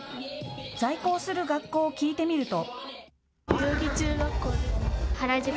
在校する学校を聞いてみると。